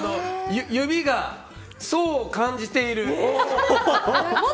指が層を感じている。